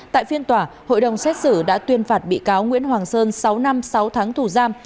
tại phiên tòa hội đồng xét xử đã tuyên phạt bị cáo nguyễn hoàng sơn sáu năm sáu tháng tù giam